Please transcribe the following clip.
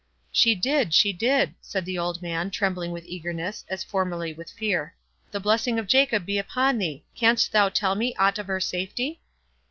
"She did!—she did!" said the old man, trembling with eagerness, as formerly with fear. "The blessing of Jacob be upon thee! canst thou tell me aught of her safety?"